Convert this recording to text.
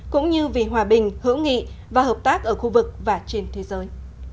cũng như vì hòa bình hữu nghị và hợp tác ở khu vực và trên thế giới